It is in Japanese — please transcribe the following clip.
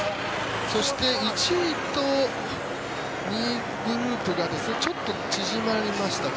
そして１位と２位グループがちょっと縮まりましたね。